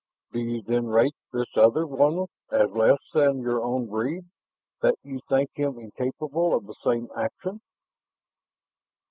Do you then rate this other one as less than your own breed that you think him incapable of the same action?"